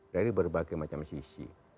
dari berbagai macam sisi